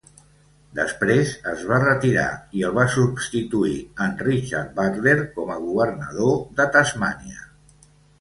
Després es va retirar i el va substituir en Richard Butler com a governador de Tasmània.